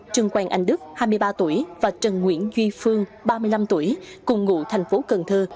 trương quang anh đức hai mươi ba tuổi và trần nguyễn duy phương ba mươi năm tuổi cùng ngụ thành phố cần thơ